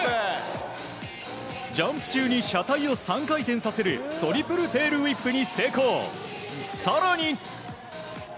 ジャンプ中に車体を３回転させるトリプルテールウィップに成功。